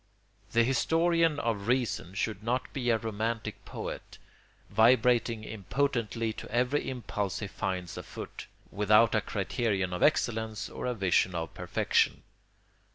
The historian of reason should not be a romantic poet, vibrating impotently to every impulse he finds afoot, without a criterion of excellence or a vision of perfection.